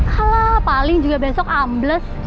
halo paling juga besok ambles